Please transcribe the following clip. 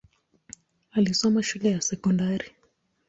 Alisoma shule ya sekondari.